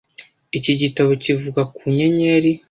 Iki gitabo kivuga ku nyenyeri.